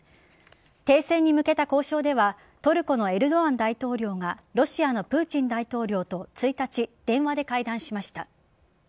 停戦に向けた交渉ではトルコのエルドアン大統領がロシアのプーチン大統領と１日、電話で会談しました。